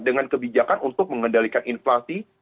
dengan kebijakan untuk mengendalikan inflasi